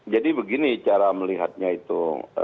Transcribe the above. jadi begini cara melihatnya itu